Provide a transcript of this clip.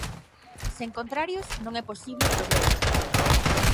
Sen contrarios non é posible o progreso.